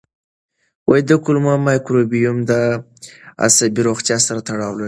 د کولمو مایکروبیوم د عصبي روغتیا سره تړاو لري.